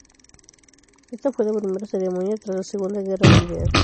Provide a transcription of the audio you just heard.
Esta fue la primera ceremonia tras la Segunda Guerra Mundial.